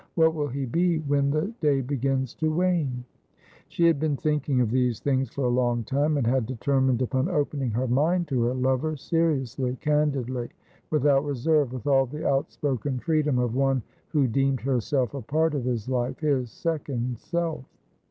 What will he be when the day begins to wane ?' She had been thinking of these things for a long time, and had determined upon openicg her mind to her lover, seriously, candidly, without reserve, with all the outspoken freedom of one who deemed herself a part of his life, his second self.